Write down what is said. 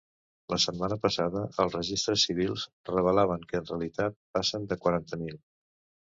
La setmana passada, els registres civils revelaven que en realitat passen de quaranta mil.